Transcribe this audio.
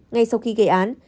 ngay sau khi gây án